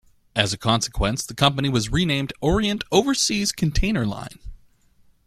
As a consequence the company was renamed Orient Overseas Container Line.